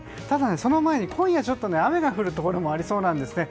ただ、その前に今夜ちょっと雨が降るところもありそうです。